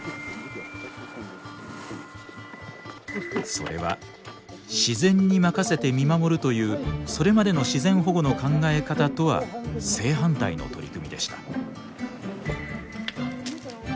それは自然に任せて見守るというそれまでの自然保護の考え方とは正反対の取り組みでした。